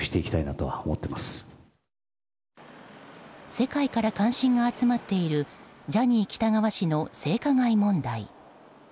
世界から関心が集まっているジャニー喜多川氏の性加害問題。